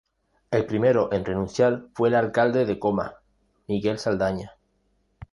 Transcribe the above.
El primero en renunciar fue el Alcalde de Comas, Miguel Saldaña.